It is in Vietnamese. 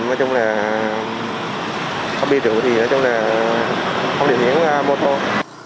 nói chung là không đi rượu thì nói chung là không điều khiển motor